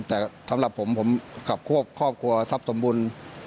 แต่สำหรับผมผมกับควบครอบครัวทรัพย์สมบูรณ์